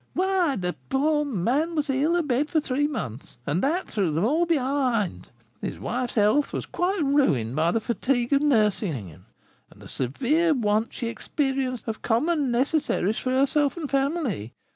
"Why, the poor man was ill abed for three months, and that threw them all behind; his wife's health was quite ruined by the fatigue of nursing him and the severe want she experienced of common necessaries for herself and family.